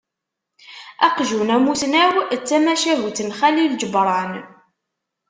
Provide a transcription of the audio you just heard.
"Aqjun amusnaw", d tamacahut n Xalil Ǧebran.